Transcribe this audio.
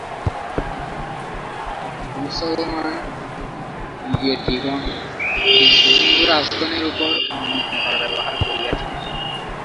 মুসলমানবিজেতৃগণ কিন্তু হিন্দুরাজগণের উপর অন্য প্রকার ব্যবহার করিয়াছিলেন।